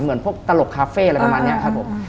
เหมือนพวกตลกคาเฟ่อะไรประมาณนี้ครับผม